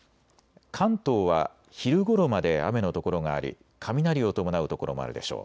関東は昼ごろまで雨の所があり雷を伴う所もあるでしょう。